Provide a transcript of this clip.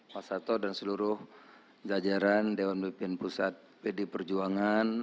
mas sato dan seluruh jajaran dewan pemimpin pusat pd perjuangan